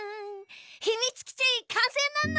ひみつきちかんせいなのだ！